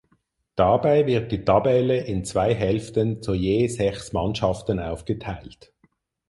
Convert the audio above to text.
Dabei wird die Tabelle in zwei Hälften zu je sechs Mannschaften aufgeteilt.